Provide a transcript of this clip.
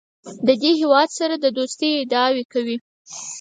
د دې هېواد سره د دوستۍ ادعاوې کوي.